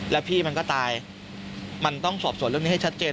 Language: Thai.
แล้วพี่มันก็ตายมันต้องสอบส่วนเรื่องนี้ให้ชัดเจน